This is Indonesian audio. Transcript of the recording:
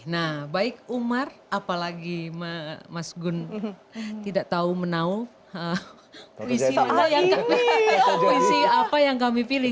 nah baik umar apalagi mas gun tidak tahu menau puisi apa yang kami pilih